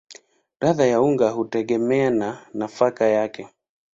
Ladha ya unga hutegemea na nafaka yake.